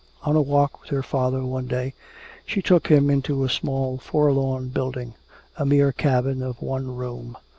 On a walk with her father one day she took him into a small forlorn building, a mere cabin of one room.